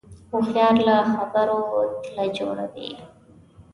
هوښیار له خبرو تله جوړوي